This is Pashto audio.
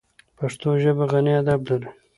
پښتو ژبه غني ادب لري.